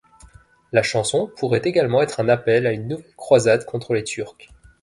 La chanson pourrait également être un appel à une nouvelle croisade contre les Turcs.